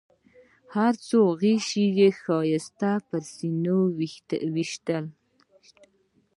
هر څو غشي چې ښایسته پر سینه ویشتلي.